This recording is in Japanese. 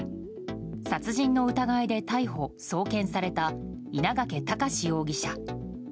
殺人の疑いで逮捕・送検された稲掛躍容疑者。